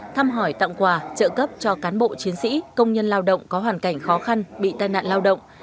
thăm hỏi tặng quà trợ cấp cho cán bộ chiến sĩ công nhân lao động có hoàn cảnh khó khăn bị tai nạn lao động